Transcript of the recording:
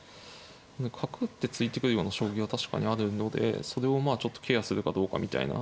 角打って突いてくるような将棋は確かにあるのでそれをまあちょっとケアするかどうかみたいな。